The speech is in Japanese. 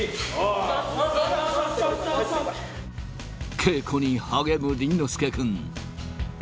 稽古に励む倫之亮君。